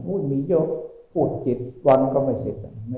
โอ้ยเงียบโฆษณ์เจ็ดวันก็ไม่เสร็จ